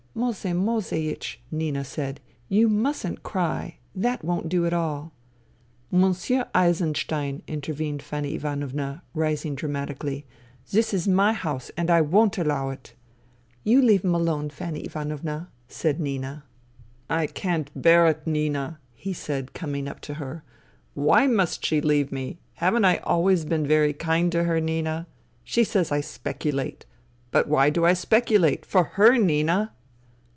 " Moesei Moeseiech," Nina said, " you mustn't cry. That won't do at all." "Monsieur Eisenstein," intervened Fanny Ivan ovna, rising dramatically, " this is my house and I won't allow it." " You leave him alone, Fanny Ivanovna," said Nina. '* I can't bear it, Nina," he said, coming up to her. " Why must she leave me ? Haven't I always been very kind to her, Nina ? She says I specu late. But why do I speculate ? For her^ Nina."